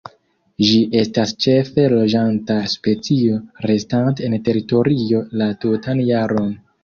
Ĝi estas ĉefe loĝanta specio, restante en teritorio la tutan jaron.